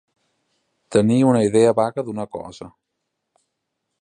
Tenir una idea vaga d'una cosa.